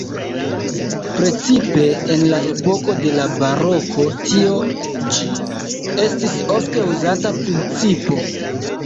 Precipe en la epoko de la baroko tio ĉi estis ofte uzata principo.